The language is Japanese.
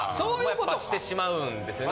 やっぱしてしまうんですよね。